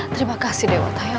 terima kasih dewa tuhan